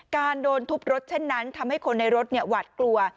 การโดนทุบรถเช่นนั้นทำให้คนในรถหวัดกลัว